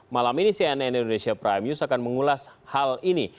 malam ini cnn indonesia prime news akan mengulas hal ini